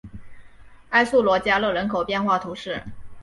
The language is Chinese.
苏埃罗加勒人口变化图示